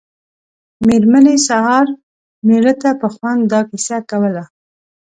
مېرمنې سهار مېړه ته په خوند دا کیسه کوله.